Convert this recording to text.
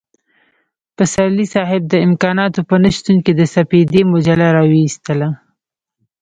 پسرلی صاحب د امکاناتو په نشتون کې د سپېدې مجله را وايستله.